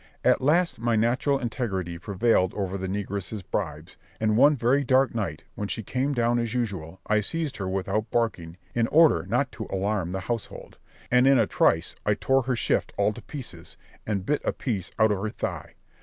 At last my natural integrity prevailed over the negress's bribes; and one very dark night, when she came down as usual, I seized her without barking, in order not to alarm the household; and in a trice I tore her shift all to pieces, and bit a piece out of her thigh.